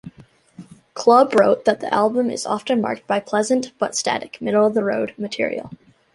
Club" wrote that the album "is often marked by pleasant but static, middle-of-the-road material.